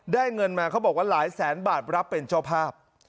เงินมาเขาบอกว่าหลายแสนบาทรับเป็นเจ้าภาพ